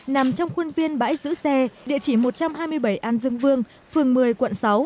nằm trong khuôn viên bãi giữ xe địa chỉ một trăm hai mươi bảy an dương vương phường một mươi quận sáu